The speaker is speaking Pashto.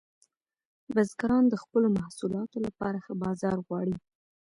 بزګران د خپلو محصولاتو لپاره ښه بازار غواړي.